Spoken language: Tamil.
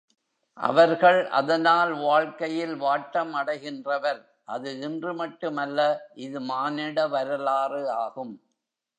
அவர்கள் அதனால் வாழ்க்கை யில் வாட்டம் அடைகின்றவர் அது இன்று மட்டும் அல்ல இது மானிட வரலாறு ஆகும்.